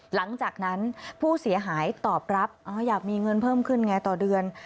หลังจากนั้นผู้เสียหายตอบรับอยากมีเงินเพิ่มขึ้นไงต่อเดือน